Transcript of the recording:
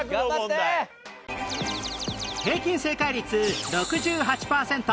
平均正解率６８パーセント